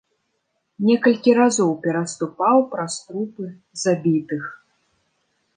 Некалькі разоў пераступаў праз трупы забітых.